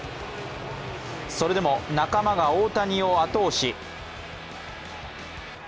それでも仲間が大谷を後押し。